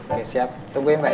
oke siap tunggu ya mbak ya